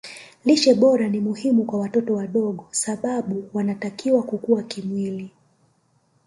lishe bora ni muhimu kwa watoto wadogo sababu wanatakiwa kukua kimwili